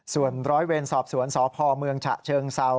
ส่วนร้อยเวรสอบสวนสพเมืองฉะเชิงเซา